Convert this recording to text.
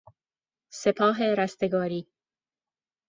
سپاه رستگاری